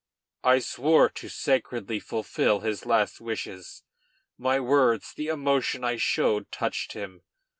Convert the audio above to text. I swore to sacredly fulfil his last wishes. My words, the emotion I showed touched him.